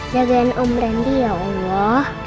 jagain om randi ya allah